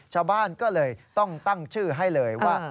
ชาวบ้านก็เลยต้องตั้งชื่อให้เลยว่า